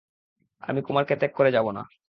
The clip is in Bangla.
আমি কুমারকে ত্যাগ করে যাবো না।